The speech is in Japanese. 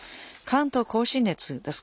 関東甲信越です。